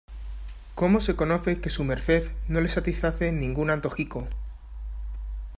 ¡ cómo se conoce que su merced no le satisface ningún antojico!